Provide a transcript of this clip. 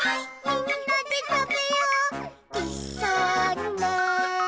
「みんなでたべよういっしょにね」